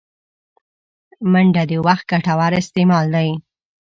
منډه د وخت ګټور استعمال دی